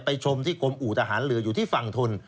ชมที่กรมอู่ทหารเรืออยู่ที่ฝั่งทน